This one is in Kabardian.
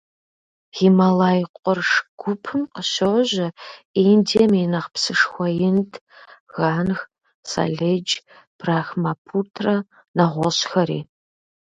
Гималай къурш гупым къыщожьэ Индием и нэхъ псышхуэу Инд, Ганг, Саледж, Брахмапутрэ, нэгъуэщӀхэри.